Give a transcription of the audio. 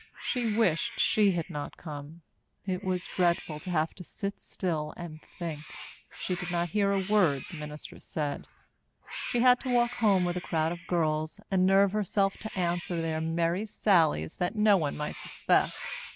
She wished she had not come. It was dreadful to have to sit still and think. She did not hear a word the minister said. She had to walk home with a crowd of girls and nerve herself to answer their merry sallies that no one might suspect.